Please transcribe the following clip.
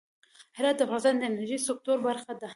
هرات د افغانستان د انرژۍ سکتور برخه ده.